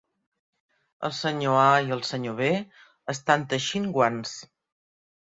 El Sr. A i el Sr. B estan teixint guants.